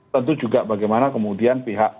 tentu juga bagaimana kemudian pihak